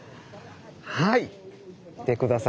はい見て下さい。